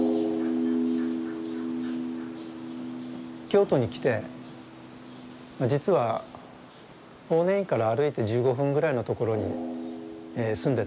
京都に来て実は法然院から歩いて１５分ぐらいの所に住んでたんですね。